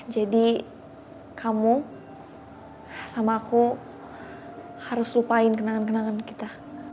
jadi kamu sama aku harus lupain kenangan kenangan kita